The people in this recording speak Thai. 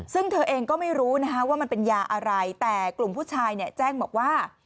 ซึ่งเธอเองก็ไม่รู้นะคะว่ามันเป็นยาอะไรแต่กลุ่มผู้ชายเนี่ยแจ้งบอกว่า